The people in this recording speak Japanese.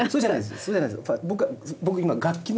そうじゃないです。